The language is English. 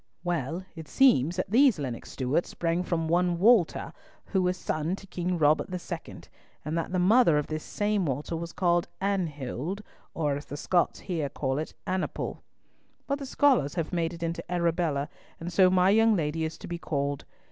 Well, it seems that these Lennox Stewarts sprang from one Walter, who was son to King Robert II., and that the mother of this same Walter was called Anhild, or as the Scots here call it Annaple, but the scholars have made it into Arabella, and so my young lady is to be called.